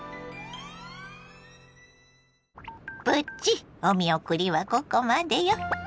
プチお見送りはここまでよ。